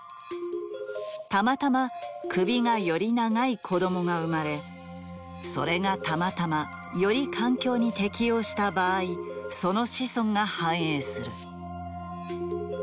たまたま首がより長い子供が生まれそれがたまたまより環境に適応した場合その子孫が繁栄する。